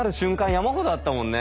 山ほどあったもんね。